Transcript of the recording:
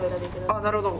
ああなるほど。